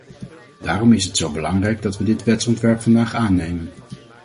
Daarom is het zo belangrijk dat we dit wetsontwerp vandaag aannemen.